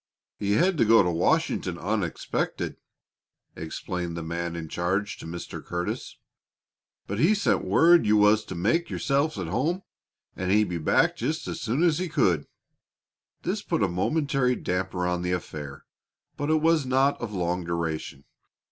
"He had to go to Washington unexpected," explained the man in charge to Mr. Curtis. "But he sent word you was to make yourselves at home, and he'd be back just as soon as he could." This put a momentary damper on the affair, but it was not of long duration.